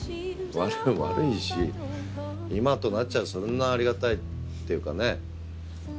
今となっちゃそんなありがたいっていうかね。